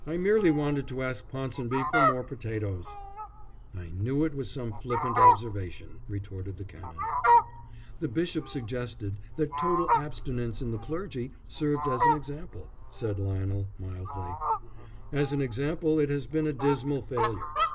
"I merely wanted to ask Ponsonby for more potatoes." "I knew it was some flippant observation," retorted the Canon. "The bishop suggested that total abstinence in the clergy served as an example," said Lionel, mildly. "As an example it has been a dismal failure.